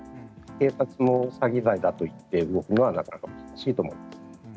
警察も詐欺罪だといって動くのはなかなか難しいと思います。